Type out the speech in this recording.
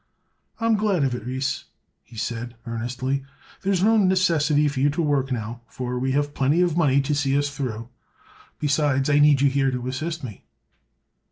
"I'm glad of it, Ris," he said, earnestly. "There's no necessity for you to work now, for we have plenty of money to see us through. Besides, I need you here to assist me."